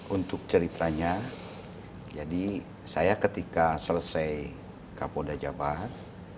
untuk ceritanya jadi saya ketika selesai kapolda jabar